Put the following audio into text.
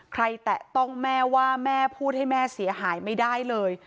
แตะต้องแม่ว่าแม่พูดให้แม่เสียหายไม่ได้เลย